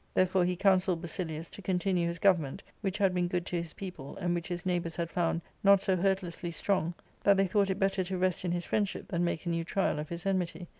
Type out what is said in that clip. * J^Cherefore he counselled Basilius to continue liis government, which had been good 'to his people, and which his neighbours had found not so hurtlessly strong that they thought it better to rest in his friendship than make a new trial of his enmity.